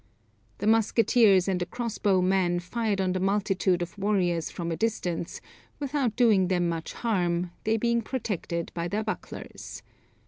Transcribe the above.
The musketeers and the crossbow men fired on the multitude of warriors from a distance, without doing them much harm, they being protected by their bucklers.